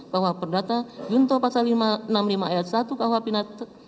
bahwa perdata junto pasal enam puluh lima ayat satu kahwa pidana